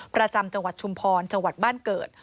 ประจำจังหวัดชุมพรจังหวัดบ้านเกิด